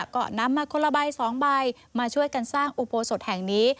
ก็นำมาคนละใบ๒ใบมาช่วยกันสร้างอุโบสถแห่งนี้